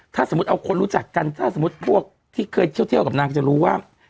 ถ้าสมมุติเอาคนรู้จักกันถ้าสมมุติพวกที่เคยเที่ยวกับนางจะรู้ว่า